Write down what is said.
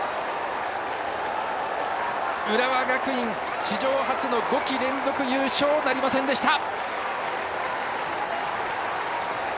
浦和学院、史上初の５季連続優勝なりませんでした。